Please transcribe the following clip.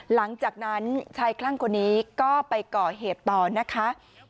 หลังจากนั้นชายคลั่งคนนี้ก็ไปก่อเหตุต่อนะคะ